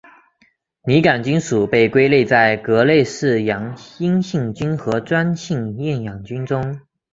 拟杆菌属被归类在革兰氏阴性菌和专性厌氧菌中。